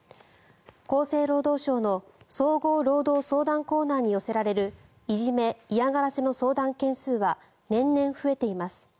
厚生労働省の総合労働相談コーナーに寄せられるいじめ・嫌がらせの相談件数は年々増えています。